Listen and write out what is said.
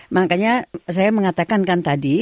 makanya saya mengatakan kan tadi